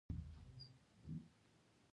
هندوکش افغانانو ته معنوي ارزښت لري.